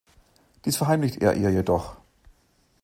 Dies verheimlicht er ihr jedoch.